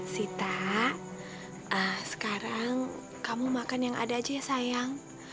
sita sekarang kamu makan yang ada aja ya sayang